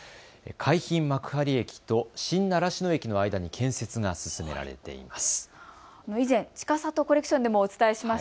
海浜幕張駅と新習志野駅の間に建設が進められています。